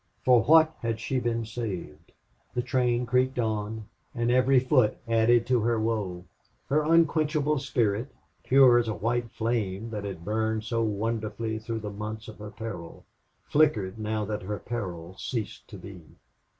For what had she been saved? The train creaked on, and every foot added to her woe. Her unquenchable spirit, pure as a white flame that had burned so wonderfully through the months of her peril, flickered now that her peril ceased to be.